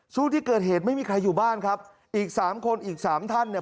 ช่วงที่เกิดเหตุไม่มีใครอยู่บ้านครับอีกสามคนอีกสามท่านเนี่ย